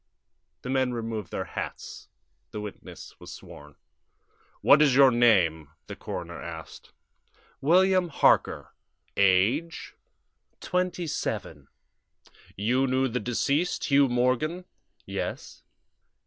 The men removed their hats. The witness was sworn. "What is your name?" the coroner asked. "William Harker." "Age?" "Twenty seven." "You knew the deceased, Hugh Morgan?" "Yes."